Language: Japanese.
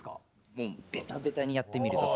もうベタベタにやってみるとか。